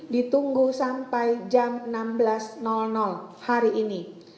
ditunggu sampai jam enam belas hari ini